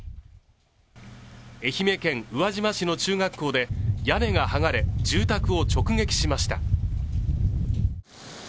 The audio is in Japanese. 愛媛県宇和島市の中学校で屋根が剥がれ、住宅を直撃しました。